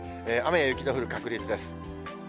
雨や雪の降る確率です。